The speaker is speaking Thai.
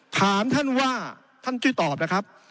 ถามท่านว่าท่านช่วยตอบนะครับ